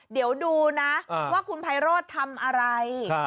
เดี๋ยวดูนะว่าคุณไพโรธทำอะไร